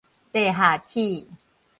地下鐵